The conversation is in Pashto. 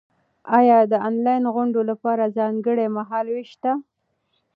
ایا د انلاین غونډو لپاره ځانګړی مهال وېش شته؟